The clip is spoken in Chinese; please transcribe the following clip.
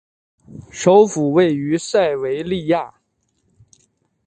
首府位于塞维利亚。